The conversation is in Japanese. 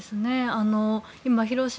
今、広島